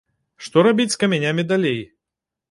Што рабіць з камянямі далей?